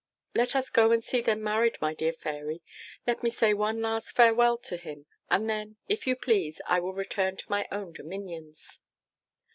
Let us go and see them married, my dear Fairy, let me say one last farewell to him; and then, if you please, I will return to my own dominions.